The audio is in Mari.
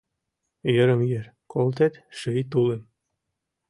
Йырым-йыр колтет ший тулым